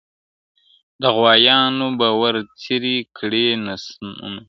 د غوایانو به ور څیري کړي نسونه» -